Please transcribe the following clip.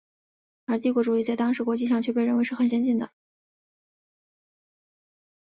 而帝国主义在当时国际上却被认为是很先进的。